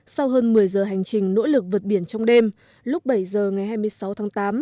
sau hơn một mươi giờ hành trình nỗ lực vượt biển trong đêm lúc bảy giờ ngày hai mươi sáu tháng tám